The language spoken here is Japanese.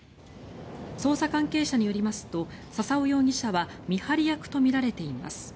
捜査関係者によりますと笹尾容疑者は見張り役とみられています。